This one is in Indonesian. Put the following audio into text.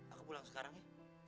aku pulang sekarang ya